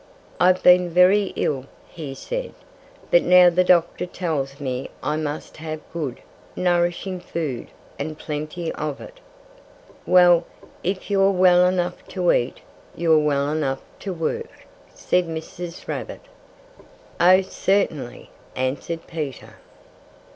"I've been very ill," he said. "But now the doctor tells me I must have good, nourishing food and plenty of it." "Well, if you're well enough to eat, you're well enough to work," said Mrs. Rabbit. "Oh, certainly!" answered Peter.